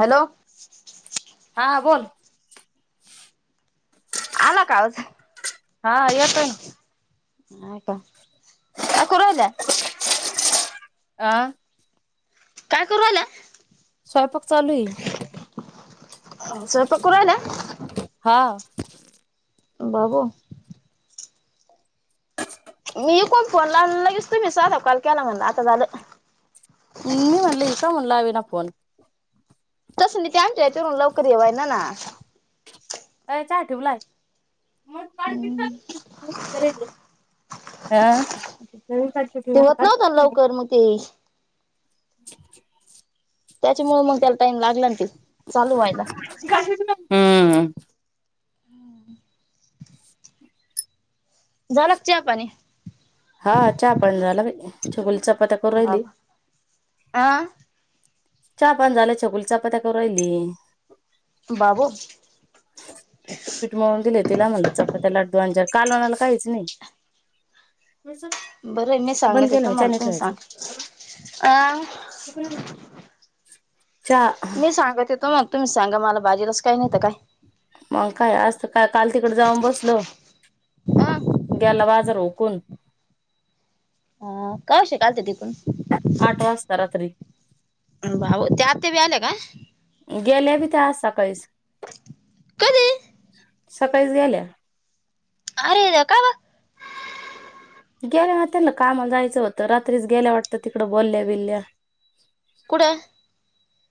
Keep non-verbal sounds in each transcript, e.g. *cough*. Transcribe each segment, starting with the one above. Hello... हा बोल आला का आवाज... हा येतोय ना... हा का काकू राहिल्या... आह... काय करू राहिला... स्वयंपाक चालू आहे स्वयंपाक करू राहिल्या हा.... बाबू... मी कोण फोन लावून लगेच तु्ही साधा कॉल केला म्हणल आता झालं... मी म्हटल‌ ही का मला लावेना फोन... तसं नाही ते आणलंय चिरुन लवकर येवय ना ना... ठेवला मग का? आ... नवीन काडचिट आता तेव्हा नव्हत काडचिट लवकर मग ते... *unintelligible* त्याच्यामुळे मग त्याला टाईम लागला ना ते चालू व्हायला... हम्म... ह... झालं चहा पाणी... हा चहा पण झाला चोगली चपात्या करून राहिली... आह... चा पान झालं चुकल चा प त्याका राहिली... बाबू... पिठ मळून दे.... तिला म्हटलं चपात्याच्या लाडू अज कालवणाला काहीच नाही.. बरं मी बंद सांगत केलं येतो मी चहा मला नाही पण सांग... ठेवायचा. अह... *unintelligible* मी सांगत येतो मग तुम्ही सांगा मला बाजूलाच काही नाहीत काय... मग काय आज काय काल तिकड जाऊन बसल... हा.... गेलवाज रोकून हा कायश लते तिकून... आठ वाजता रात्री भाऊ त्या आत ते ब आल्या का गेल्या बि ते आ सकाळीच कधी सकाळी गेल्या अरे कावा गेल्या होत्या ना कामा जायचं होतं रात्रीच गेल्या वाटत तिकडं बोलल्या बिलल्या कुठं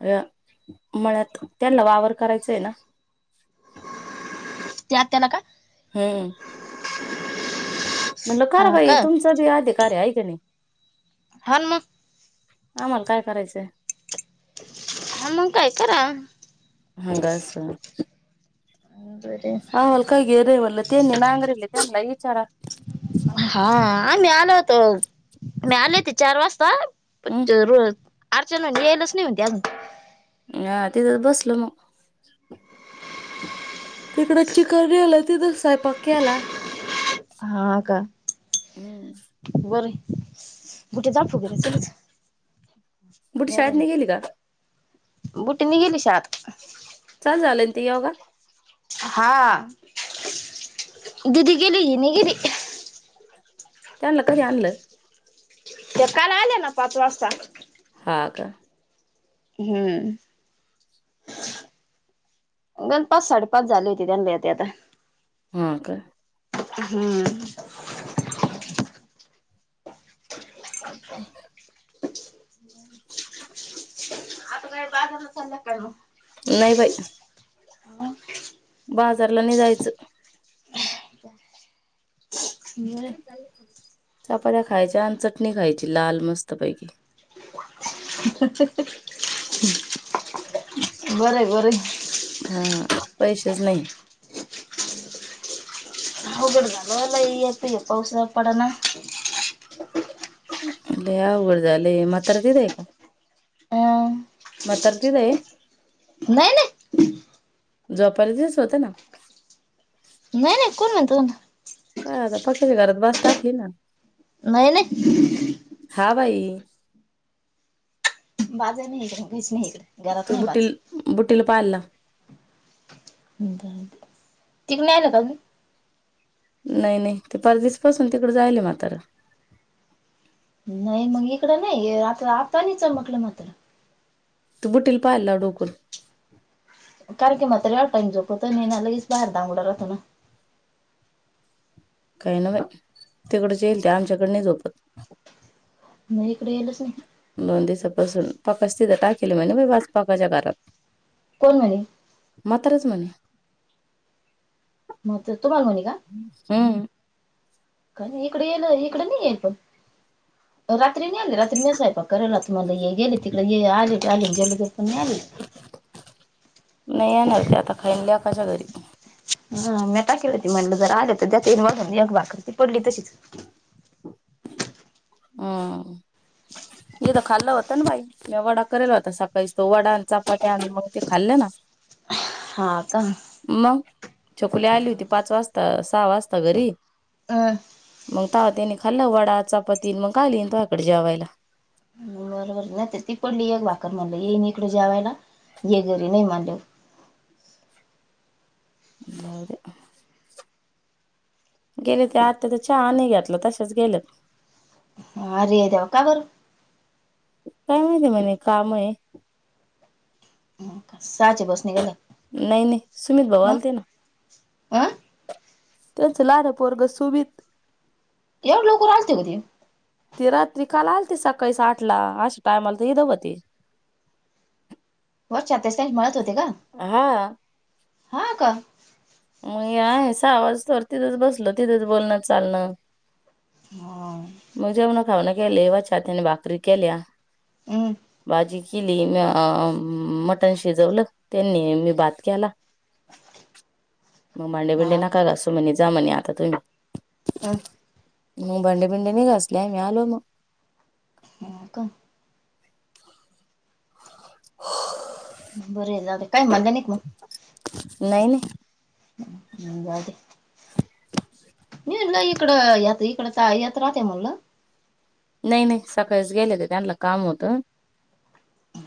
अ म्हळत त्यांला वावर करायचाय ना त्या आत त्याला का हम्म म्हणलं खरं हा भाई का तुमचा बी अधिकारी आहेऐ हा न मग आम्हाला काय करायचंय ह नं काय चला ह बस बरं. हा वाल का गेरेवल तेनी नांगरल तेनला विचार हा मी आलो होतो मी आले होते चार वाजता हम्म रज अर्चना येलच नाही म्हणती अजून हा तिथं बसल मग तिकड चिकनल त सायपाक्याला ह का हम्म गुठे दर फुकेर चलच बुटी शाद नि गेली का बुटी निघेली शात चा झालंय ते योगा हा ददी गेली नि गेरी लं का आणलं ते काल आले ना पाच वाजता ह का हम् ग पाच साडेपाच झाली होती त्यां लते आता हा का हम्म झाला करो नाही बाई बाजारला नाही जायचं ते जा चापाात्या खायच्या आणि चटणी खायची लाल मस्त पैकी बरं बर हा पैसेच नाही होगड झालला इ यत आहे पावस पड ना अ याघड जाले मारत दय का अं मातर्त देे नाही नाही जोपारीच होत ना नाही नाही कोण म्ह तो काय आता पक्याच्या घरात बस टाकली ना नाहीय ना हा बाई बाजे नाही कर कच नाही कर तू बुटील बुटीील पालला तिक नाही आल काज नाही नाही ते परच दिस पासून तिकड जायल मातार नाही मग इकडं नाही आता आतानी चमटलं मात्र तू बुटीील पाहि ला डोकून कर क मात र आ टाई झोकत नालागच बाहेर द अगडा रातो ना काही ना तिकड जा येईल ते आमच्याकड नाही झोपत नाही इकडे यालच ना दिपासून पकाच तिथे टाकल म्ह वा पकाच्या घरात कोण म्हणे मातच म्हणे मत तुम्हाला भणी का हम्म का इकडे येल इकडे नाही येल पण रात्री आली रात्री म सायपा करायला तुम्हाला ये गेले तिकडे ये आले टालीून गेलो ते पण आली *inaudible* नाही येणार ते आता खानले कशा घरी हा मी टाकली होती म्हणलं जर आले तर त्या मग जगभकरती पडली तशीच हम मथ खाल्लं होतं ना बाई मी वडा करेला होता सकाळीच तो वडा चापाट्या आण मग ते खाल्ले ना हा का मग चोकुली आली होती पाच वाजता सहा वाजता घरी हम त्याने खाल् वडा चापाती मग आाली तोकडे जेवायला बरोबर नाही ते ती पडली एक भाकर म्हणलं येईन इकडे जेवायला हे घरी नाही माड अर गेले ते आत तर चहा नाही घेतलं तसेच गेलं हा अर जाव का बर काय माहिती म्हणे काम आहे सहाची बसणी गेला नाही नाही सुमित भवालते ना अ त्यांचं लहान पोरग सुबित एवढे लोक राते होती ती रात्री कााला आलते सकाळी साठ ला अशा टायमाला तर हि दवते वर ातस मळत होते का हा हा का मग आहे सहा वाज तरो तिथंच बसल तिथंच बोलणं चालणं हा भा केले वच्या त्यानी भाकरी केल्या हम्म भाजी केली मी मटन शिजवलं त्यांनी मी बात केला मग मांडे बिंडे हा नका घासू म्हणे जा म्हणे आता तुम्ही अ मग भांडेपिंडीने घासलेय मी आलो मग ह का ह बर आहे नाे काय म्हणता नाही मग नाही नाही ह जाे *inaudible* नाही इकडं यात इकड यात राहते म्हणलं नाही नाही सकाळीच गेले ते त्यांलं काम होतं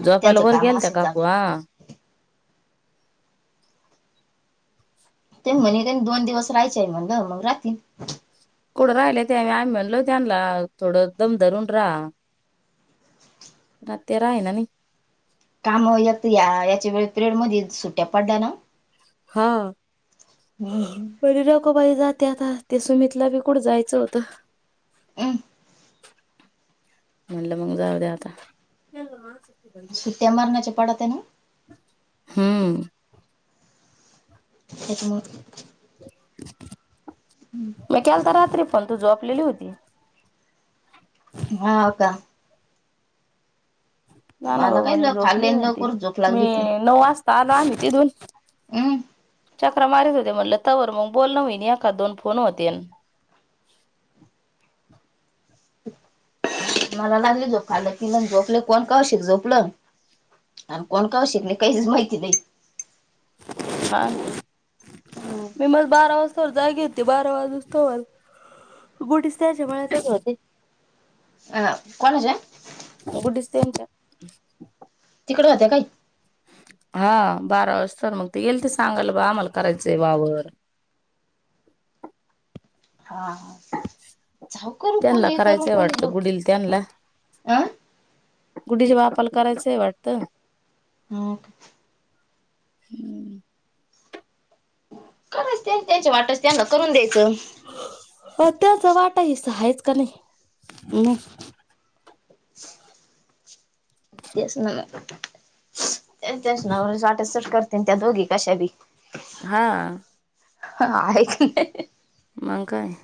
जोपल त्यांचं काम वरगेलते असेल जाऊ दे काकुवा ते म्हणे का दोन दिवस राहायचे आहे म्हणलं मग राहतील थड राहिलं त्या आ्ही म्हणलो त्यांना थोडं दम धरून राहा नातरा आहे ना नाही कामत या याच्या वे पिेयड मध्ये सुट्ट्या पडल्या ना हा हम्म. परीराको पाहि ज ते आता ते सुमितला बी कुठं जायचं होतं अं, म्हणलं मग जाऊ द्या आता. सुट्टीया मरणाच पडते ना. हम्म, हेच्या मुळे, मी केलंत रात्री फोन, पण तू झोपलली होती. हा का, ना ना मला बाऊ काय मणे ल झोपली खाल्ले न माेती, लवकर झोप मी लागली ती नऊ वाजता आला आम्ही तिथून हम्म चक्र मारत होते म्हणलं. ता वर मग बोल न होन एख दोन फोन होतेल. मला लागले झोपल झोपले कोण कौशिक झोपलं, आणि कोण काव शिकले काहीच माहिती नाही. ह म मज बारास, सर जागे होती बारा वाजूवर गुटीस त्याच्या मच होते. अह कोणज, तेच्या तिकडे होत्या काही, हा बारा वाजता मग ते येईल, तर सांगायला बा आम्हाला करायचंय वावर, *unintelligible* हा ह त्यांना करायचंय वाटतं गुडील त्यांला, अं गुढीचा बापाला करायचाय वाटतं. हो हम्म, करच त्यां त्यांची वाटत त्यांना करून द्यायचं. त्याचा वाटाही सहायच का नाही. म ते च ना, च ना वाटट करते त्या दोघी कशा बी, हा, ह आहे की नाही. मग काय,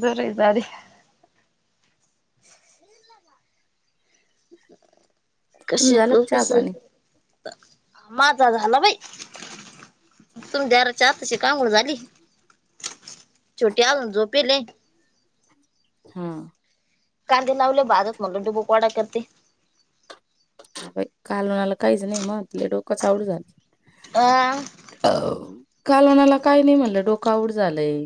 बर आहे दारी, कश तुम झालं का चहा कस पाणी माझा झाला बाई, तुम दराच्या आताशी अंघोळ झाली, छोट्या आलून झोपेले, हा कांदे लावले बाधत म्हणलं ुबोकवाडा करते. काल म्हणाला काहीच नाही मग तिला डोकंच आउट झालं. आ काल मला काय नाही म्हणलं डोक आउट झालंय.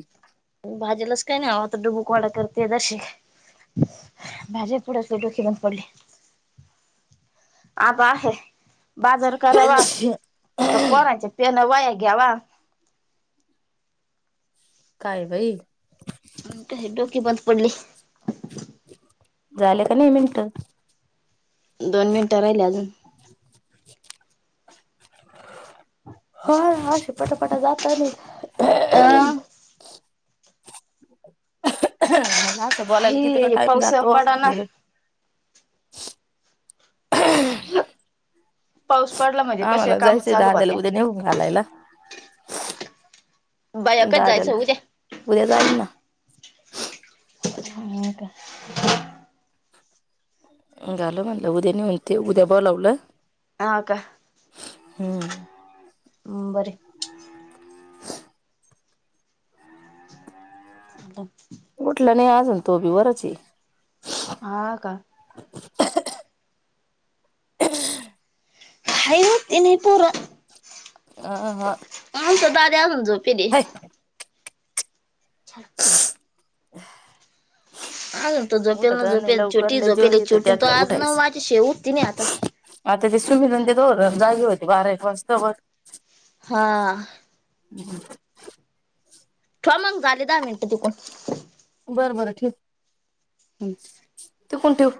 भाजीलाच काय नाही आ आता डुबूकवाडा करतेय तश, भाजे पुोडचडोकन पडली, आबा आहे, बाजार करावा का पराांचे पन वाया, ग्या वा, काय बाई, अनट हेडोकी बंद पडली, झाले का नाही मिनट, दोन मिनिटं राहिल्या अजून हो ह पटापट जाता नाही अ मला असं बोलायला किती का हे टाइम पाऊस जातो पडा ना या आ म्हाला जायचंय दहा त्याला उद्या नेऊन घालायला बायाकच जायचं ददला उद्या उद्या जाईन ना हक घालो म्हणलं उद्या नाही म्हणते उद्या ब लावलं हा का बर म उठलं नाही आजण तोभी वरच ह का हयवात ये नाही परा आ हा झो फिर छा आल झोपेल ना उठत नाही झोपेल लवकर छोटी लय जोर झोपेली येतंय छोटी तो त्यातल्या आज न उठायचं माझी शेऊ त नाही आता आता ते सुमध ते द जाई होते बारा एक वाजता वर हा हम ठो मग ग आले दहा मिनटं तिकून बरं बरं ठीक तू कोण ठेव